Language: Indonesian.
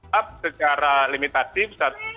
setelah secara limitatif